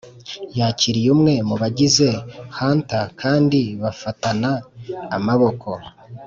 yakiriye umwe mu bagize hunter kandi bafatana amaboko.